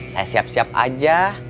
saya siap siap aja